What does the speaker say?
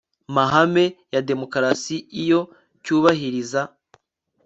mahame ya demukarasi iyo cyubahiriza